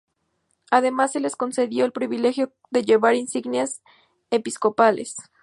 Además se les concedió el privilegio de llevar insignias episcopales.